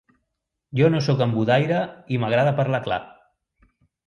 Jo no soc embudaire i m'agrada parlar clar!